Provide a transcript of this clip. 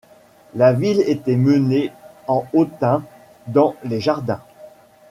La vigne était menée en hautain dans les jardins.